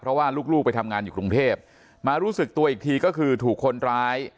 เพราะว่าลูกไปทำงานอยู่กรุงเทพมารู้สึกตัวอีกทีก็คือถูกคนร้าย